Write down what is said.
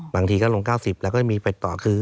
บางทีก็ลง๙๐แล้วก็มีไปต่อ